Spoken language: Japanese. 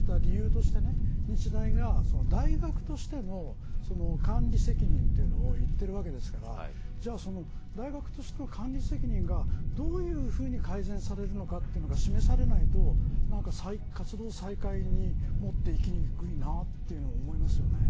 それも必要ですけど今回、無期限の活動停止にした理由として日大が、大学としても管理責任というのを言っているわけですからじゃあ、大学としての管理責任がどういうふうに改善されるかというのが示されないと活動再開に持っていきにくいと思いますよね。